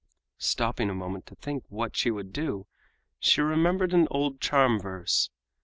Stopping a moment to think what she would do, she remembered an old charm verse.